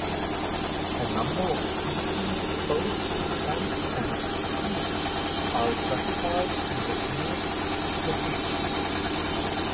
A number of species both extant and extinct are classified in the genus "Pedetes".